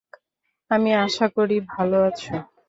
আমি আশা করি ভালো আছো।